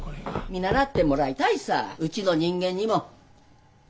見習ってもらいたいさうちの人間にも。